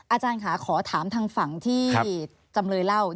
อาจารย์ค่ะขอถามทางฝั่งที่จำเลยเล่า